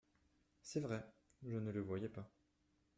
C’est vrai, je ne le voyais pas.